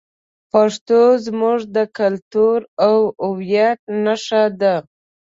پښتو زموږ د کلتور او هویت نښه ده.